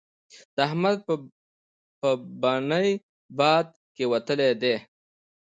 د احمد په بنۍ باد کېوتلی دی.